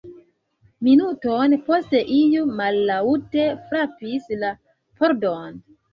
Minuton poste iu mallaŭte frapis la pordon.